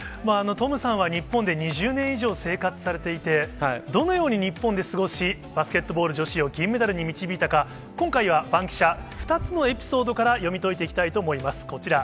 トムさんは日本で２０年以上生活されていて、どのように日本で過ごし、バスケットボール女子を銀メダルに導いたか、今回はバンキシャ、２つのエピソードから、読み解いていきたいと思います、こちら。